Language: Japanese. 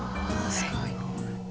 すごい。